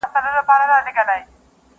خداى به خوښ هم له سر کار هم له قاضي وي٫